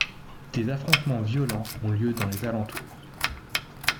Des affrontements violents ont lieu dans les alentours.